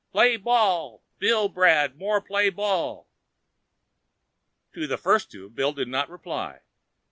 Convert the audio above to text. "Play ball! Billbrad, more play ball!" To the first two, Bill did not reply.